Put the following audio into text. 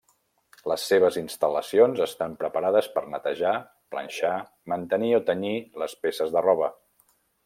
Les seves instal·lacions estan preparades per netejar, planxar, mantenir o tenyir les peces de roba.